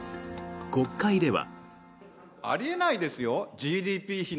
国会では。